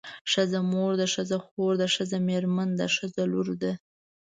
ښځه مور ده ښځه خور ده ښځه مېرمن ده ښځه لور ده.